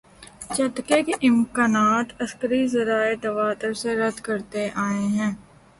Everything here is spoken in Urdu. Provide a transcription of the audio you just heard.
جھٹکے کے امکانات عسکری ذرائع تواتر سے رد کرتے آئے ہیں۔